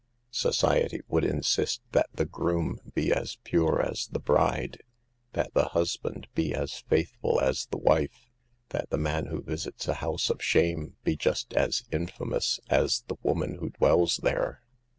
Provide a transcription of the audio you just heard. Society would insist that the groom be as pure as the bride ; that the husband be as faithful as the wife ; that the man who visits a house of shame be just as infamous as the woman who dwells there.